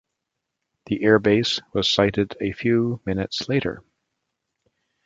The air base was sighted a few minutes later.